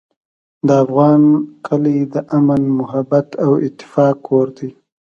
د افغان کلی د امن، محبت او اتفاق کور دی.